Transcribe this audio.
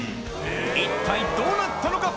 一体どうなったのか？